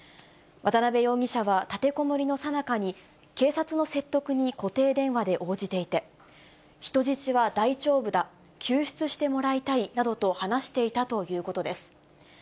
渡辺容疑者は立てこもりのさなかに、警察の説得に固定電話で応じていて、人質は大丈夫だ、救出してもらいたいなどと話していたということです。